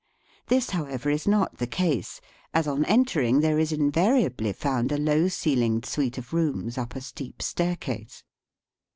This, however, is not the case, as on entering there is invariably found a low ceiled suite of rooms up a steep staircase.